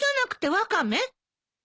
ワカメ！